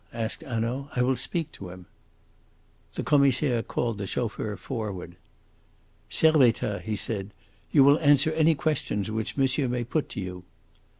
asked Hanaud. "I will speak to him." The Commissaire called the chauffeur forward. "Servettaz," he said, "you will answer any questions which monsieur may put to you."